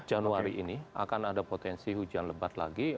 januari ini akan ada potensi hujan lebat lagi